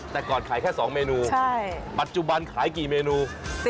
แต่ก่อนขายแค่๒เมนูปัจจุบันขายกี่เมนู